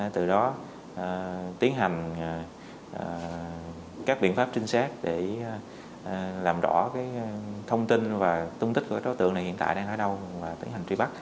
từ đó tiến hành các biện pháp trinh sát để làm rõ thông tin và tung tích của đối tượng này hiện tại đang ở đâu và tiến hành truy bắt